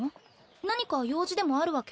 何か用事でもあるわけ？